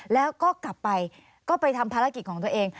แล้วก็กลับไปก็ไปทำภารกิจของตัวเอง